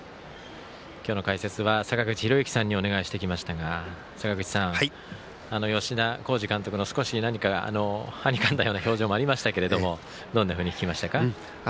今日の解説は坂口裕之さんにお願いしてきましたが坂口さん、吉田洸二監督の少し何かはにかんだような表情もありましたけれどもどんなふうに聞きましたか？